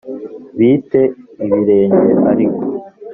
bi te ibirenge ariko